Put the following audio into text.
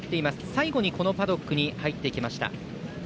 最後にパドックに入ってきました。